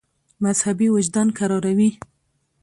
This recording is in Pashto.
مذهبي وجدان کراروي.